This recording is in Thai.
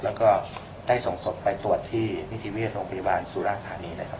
แล้วก็ได้ส่งศพไปตรวจที่นิติเวชโรงพยาบาลสุราธานีนะครับ